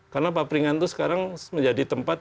karena paperingan itu sekarang menjadi tempat